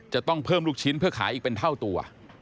จะต้องเพิ่มลูกชิ้นเพื่อขายอีกเป็นเท่าตัว